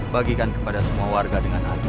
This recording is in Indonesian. bagikan kepada semua warga dengan adil